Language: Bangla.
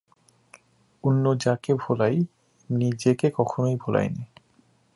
অন্য যাকেই ভোলাই, নিজেকে কখনোই ভোলাই নে।